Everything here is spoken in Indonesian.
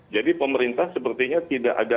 jadi pemerintah sepertinya tidak ajak